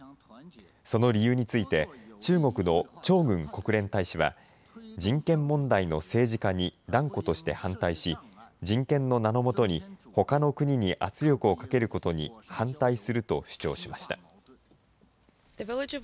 その理由について、中国の張軍国連大使は、人権問題の政治化に断固として反対し、人権の名の下に、ほかの国に圧力をかけることに反対すると主張しました。